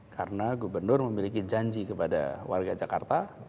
karena gubernur memiliki janji kepada warga jakarta